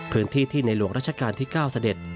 พื้นที่ที่ในหลวงรัชกาลที่๙เสด็จ